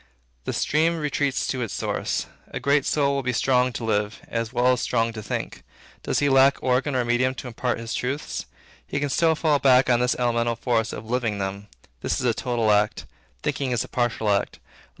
The stream retreats to its source. A great soul will be strong to live, as well as strong to think. Does he lack organ or medium to impart his truths? He can still fall back on this elemental force of living them. This is a total act. Thinking is a partial act.